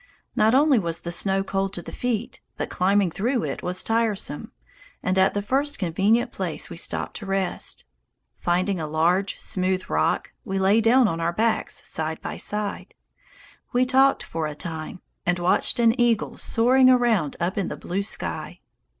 Not only was the snow cold to the feet, but climbing through it was tiresome, and at the first convenient place we stopped to rest. Finding a large, smooth rock, we lay down on our backs side by side. We talked for a time and watched an eagle soaring around up in the blue sky.